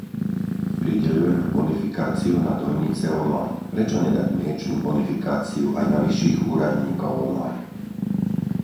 Prideľujeme bonifikáciu na dojnice online, prečo nedať mliečnu bonifikáciu aj na vyšších úradníkov online?